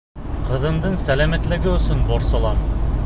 Ҡыҙымдың сәләмәтлеге өсөн борсолам.